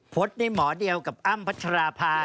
พล็อตได้หมอเดียวกับอั้มพัชราภา